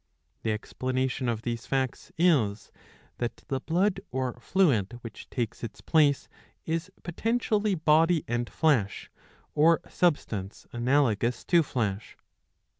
The explanation of these facts is that the blood, or fluid which takes its place, is potentially body and flesh, or substance analogous to flesh.